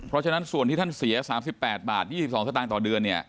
เพราะฉะนั้นส่วนที่ท่านเสีย๓๘บาท๒๒สตางค์ต่อเดือนเนี่ย